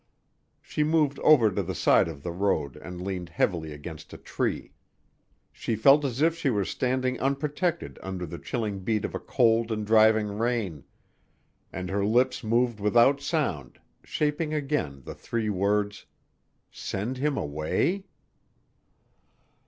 She moved over to the side of the road and leaned heavily against a tree. She felt as if she were standing unprotected under the chilling beat of a cold and driving rain, and her lips moved without sound, shaping again the three words "send him away!"